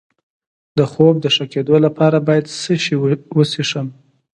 د خوب د ښه کیدو لپاره باید څه شی وڅښم؟